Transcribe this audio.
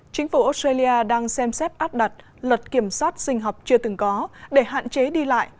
chính phủ australia đang xem xét áp đặt luật kiểm soát sinh học chưa từng có để hạn chế đi lại